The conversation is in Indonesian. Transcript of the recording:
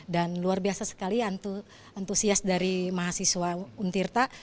dan luar biasa sekali antusias dari mahasiswa untirta